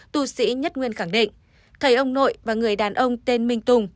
tù sĩ nhất nguyên khẳng định thầy ông nội và người đàn ông tên minh tùng